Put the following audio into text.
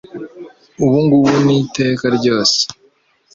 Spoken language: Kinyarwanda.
ubu ngubu n’iteka ryose